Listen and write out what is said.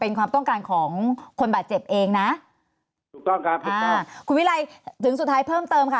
เองนะถูกต้องครับถูกต้องคุณวิรัยถึงสุดท้ายเพิ่มเติมค่ะ